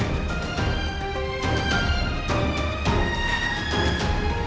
duduk dulu ya